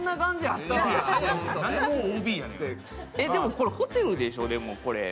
これホテルでしょ、これ？